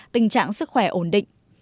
tình trạng sức khỏe ổn định